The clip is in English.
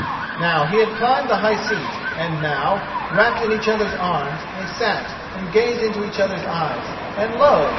Now he had climbed the high seat, and now, wrapped in each other's arms, they sat and gazed into each other's eyes, and lo!